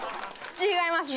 違いますね。